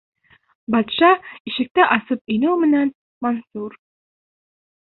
Батша ишекте асып инеү менән, Мансур: